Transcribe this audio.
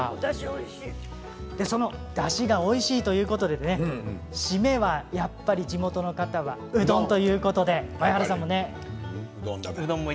おだしがおいしいということで締めはやっぱり地元の方はうどんということで前原さんもね。